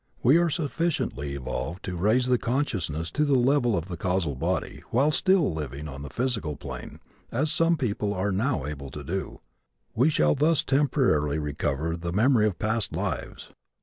When we are sufficiently evolved to raise the consciousness to the level of the causal body, while still living on the physical plane, as some people are now able to do, we shall thus temporarily recover the memory of past lives.